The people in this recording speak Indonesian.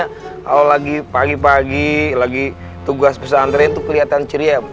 kalau lagi pagi pagi lagi tugas pesantren itu kelihatan ceria